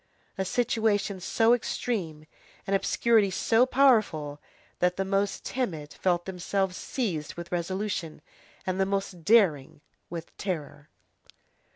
A situation so extreme, an obscurity so powerful, that the most timid felt themselves seized with resolution, and the most daring with terror.